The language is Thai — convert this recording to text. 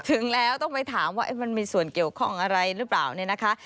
ถึงแล้วต้องไปถามว่ามันมีส่วนเกี่ยวข้องอะไรหรือเปล่าเนี่ยนะคะ